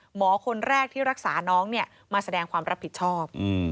หมอคนแรกที่รักษาน้องมาแสดงความรับผิดชอบ